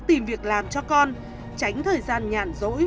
tìm việc làm cho con tránh thời gian nhàn rỗi